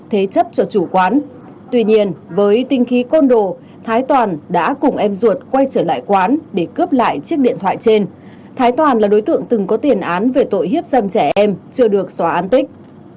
thế chấp cho chủ quán tuy nhiên với tinh khí côn đồ thái toàn đã cùng em ruột quay trở lại quán để cướp lại chiếc điện thoại trên thái toàn là đối tượng từng có tiền án về tội hiếp dâm trẻ em chưa được xóa án tích